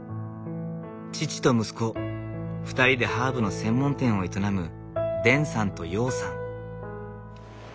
父と息子２人でハーブの専門店を営むデンさんと陽さん。